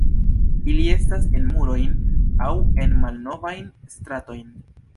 Ili estas en murojn aŭ en malnovajn stratojn.